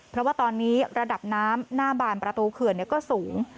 เพราะว่าตอนนี้ระดับน้ำหน้าบานประตูเขื่อนก็สูง